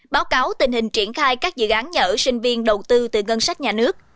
báo cáo tình hình triển khai các dự án nhà ở sinh viên đầu tư từ ngân sách nhà nước